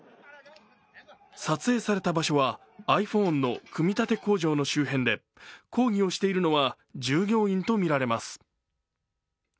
撮影された場所はｉＰｈｏｎｅの組み立て工場の周辺で抗議をしているのは従業員とみられます。